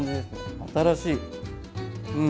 新しいうん！